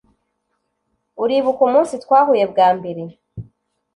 Uribuka umunsi twahuye bwa mbere